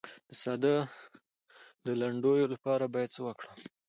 د ساه د لنډیدو لپاره باید څه وکړم؟